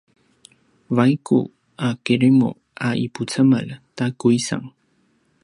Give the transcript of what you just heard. vaiku a kirimu a ipucemel ta kuisang